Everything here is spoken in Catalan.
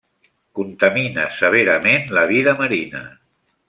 Contamina severament la vida marina.